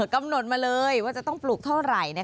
กำหนดมาเลยว่าจะต้องปลูกเท่าไหร่